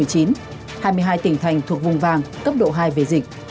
hai mươi hai tỉnh thành thuộc vùng vàng cấp độ hai về dịch